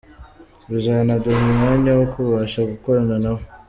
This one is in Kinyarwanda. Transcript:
Bizanaduha umwanya wo kubasha gukorana nabo.